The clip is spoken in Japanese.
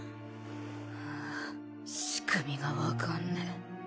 ああ仕組みが分かんねえ